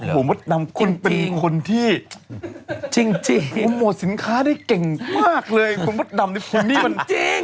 มุตต์ดำคุณเป็นคนที่อุโมสินค้าได้เก่งมากเลยคุณมุตต์ดำคุณนี่มันจริง